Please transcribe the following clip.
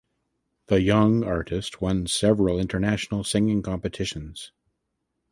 The young artist won several international singing competitions.